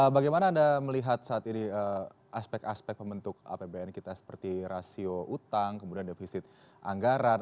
bagaimana anda melihat saat ini aspek aspek pembentuk apbn kita seperti rasio utang kemudian defisit anggaran